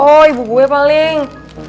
oh ibu gue paling